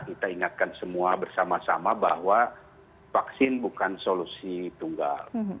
kita ingatkan semua bersama sama bahwa vaksin bukan solusi tunggal